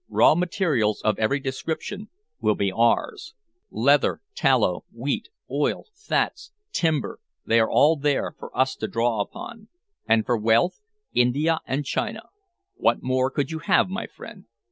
Raw materials of every description will be ours. Leather, tallow, wheat, oil, fats, timber they are all there for us to draw upon. And for wealth India and China! What more could you have, my friend?"